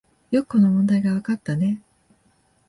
よくこの問題がわかったね